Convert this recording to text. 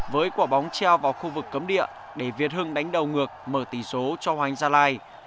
với quả bóng treo vào khu vực cấm địa để việt hưng đánh đầu ngược mở tỷ số cho hoành gia lai